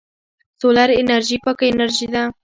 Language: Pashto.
سولر انرژي پاکه انرژي ده.